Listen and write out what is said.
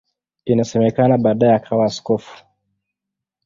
Inasemekana baadaye akawa askofu.